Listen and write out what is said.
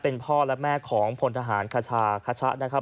เป็นพ่อและแม่ของพลทหารคชาคชะนะครับ